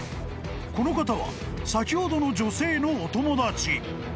［この方は先ほどの女性のお友達］